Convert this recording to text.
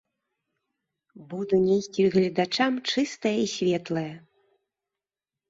Буду несці гледачам чыстае і светлае.